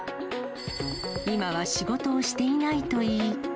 今は仕事をしていないといい。